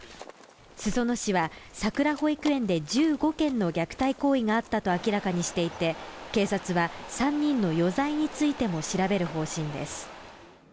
裾野市はさくら保育園で１５件の虐待行為があったと明らかにしていて警察は３人の余罪についても調べる方針です。